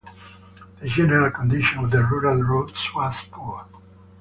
The general condition of the rural roads was poor.